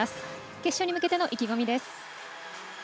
決勝に向けての意気込みです。